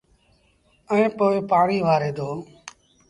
ائيٚݩ پو پآڻيٚ وآري دو